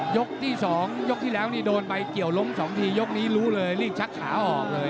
ยกที่๒ยกที่แล้วนี่โดนไปเกี่ยวล้มสองทียกนี้รู้เลยรีบชักขาออกเลย